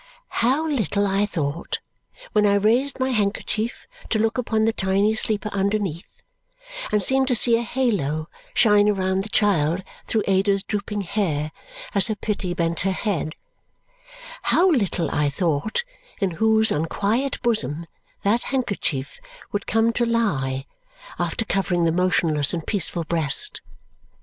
How little I thought, when I raised my handkerchief to look upon the tiny sleeper underneath and seemed to see a halo shine around the child through Ada's drooping hair as her pity bent her head how little I thought in whose unquiet bosom that handkerchief would come to lie after covering the motionless and peaceful breast!